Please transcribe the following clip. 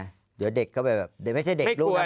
เดี๋ยวเด็กเข้าไปแบบไม่ใช่เด็กลูกนะ